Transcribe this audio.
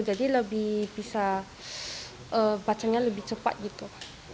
jadi lebih bisa bacanya lebih cepat gitu